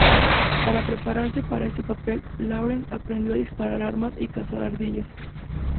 Para prepararse para este papel, Lawrence aprendió a disparar armas y cazar ardillas.